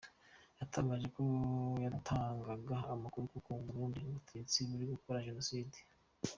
Yatangaje ko yatangaga amakuru y’ uko mu Burundi ubutegetsi buri gukora genocide.